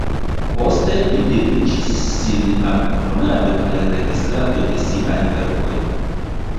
Poste li dediĉis sin al komponado kaj registrado de siaj verkoj.